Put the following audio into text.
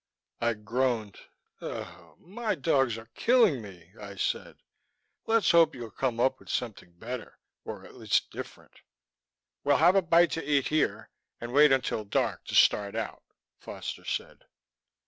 I groaned. "My dogs are killing me," I said. "Let's hope you'll come up with something better or at least different." "We'll have a bite to eat here, and wait until dark to start out," Foster said.